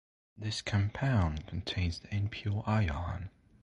This compound contains the NpO ion.